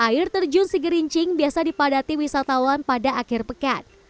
air terjun si gerincing biasa dipadati wisatawan pada akhir pekan